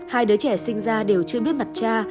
hai đứa trẻ sinh ra đều chưa biết mặt cha